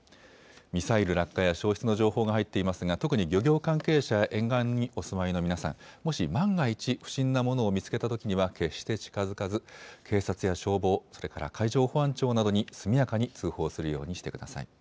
ミサイル落下や消失の情報が入っていますが、特に漁業関係者や沿岸にお住まいの皆さん、もし万が一、不審なものを見つけたときには決して近づかず、警察や消防、それから海上保安庁などに速やかに通報するようにしてください。